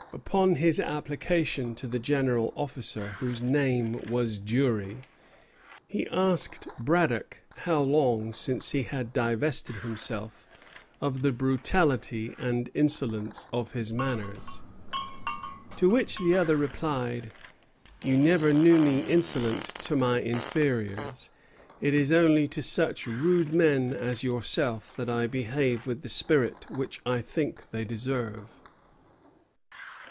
Upon his application to the general officer, whose name was Dury, he asked Braddock how long since he had divested himself of the brutality and insolence of his manners? To which the other replied: 'You never knew me insolent to my inferiors. It is only to such rude men as yourself that I behave with the spirit which I think they deserve.'"